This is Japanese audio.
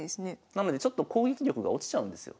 なのでちょっと攻撃力が落ちちゃうんですよ。